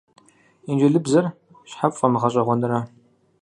Инджылызыбзэр щхьэ пфӀэмыгъэщӀэгъуэнрэ?